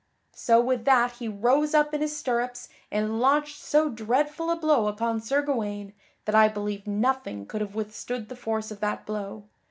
So with that he rose up in his stirrups and launched so dreadful a blow upon Sir Gawaine that I believe nothing could have withstood the force of that blow.